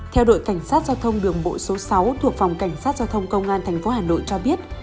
theo đội cảnh sát giao thông đường bộ số sáu thuộc phòng cảnh sát giao thông công an tp hà nội cho biết